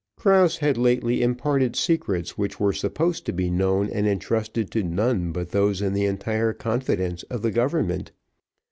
Krause had lately imparted secrets which were supposed to be known and entrusted to none but those in the entire confidence of the government.